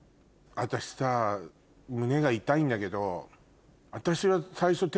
私さ胸が痛いんだけど。